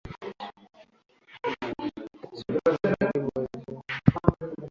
kati yao na hasa majaribio ya serikali ya Bizanti kuwalazimisha